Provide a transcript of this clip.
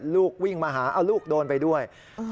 ลูกวิ่งมาหาเอาลูกโดนไปด้วย